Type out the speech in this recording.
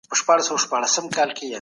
علم د ژوند ستره شتمني ده.